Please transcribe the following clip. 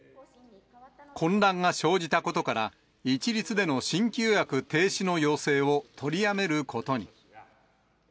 混乱が生じたことから、一律での新規予約停止の要請を取りやめることに。